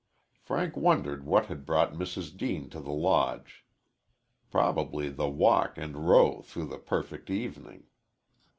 Frank wondered what had brought Mrs. Deane to the Lodge. Probably the walk and row through the perfect evening.